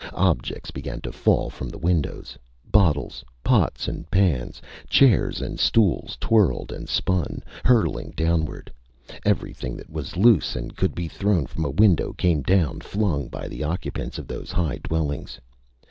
Objects began to fall from the windows: bottles, pots and pans. Chairs and stools twirled and spun, hurtling downward. Everything that was loose and could be thrown from a window came down, flung by the occupants of those high dwellings.